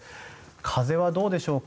風はどうでしょうか。